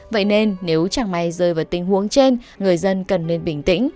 vậy nên nếu chẳng may rơi vào tình huống trên người dân cần nên bình tĩnh